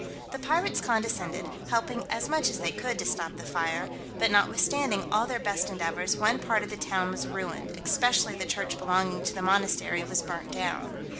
The pirates condescended, helping as much as they could to stop the fire; but, notwithstanding all their best endeavours, one part of the town was ruined, especially the church belonging to the monastery was burnt down.